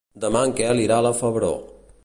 Demà en Quel irà a la Febró.